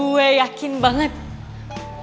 gue yakin banget kalau reva bisa